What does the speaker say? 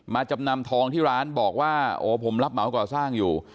จำนำทองที่ร้านบอกว่าโอ้ผมรับเหมาก่อสร้างอยู่